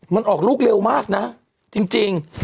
มันออกลูกเร็วมากนะจริง